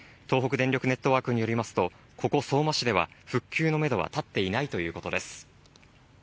東北電力ネットワークによりますと、ここ相馬市では復旧のめどは立っていないということです。